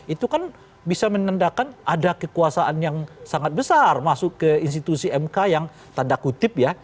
itu kan bisa menandakan ada kekuasaan yang sangat besar masuk ke institusi mk yang tanda kutip ya